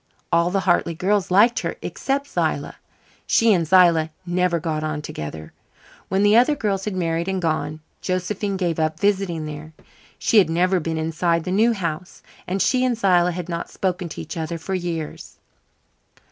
All the Hartley girls liked her except Zillah. She and Zillah never "got on" together. When the other girls had married and gone, Josephine gave up visiting there. She had never been inside the new house, and she and Zillah had not spoken to each other for years.